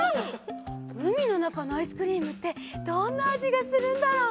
うみのなかのアイスクリームってどんなあじがするんだろう？